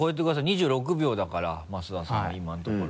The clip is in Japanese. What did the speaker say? ２６秒だから増田さんは今のところ。